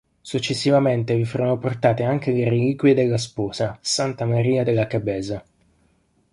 Successivamente vi furono portate anche le reliquie della sposa, santa Maria de la Cabeza.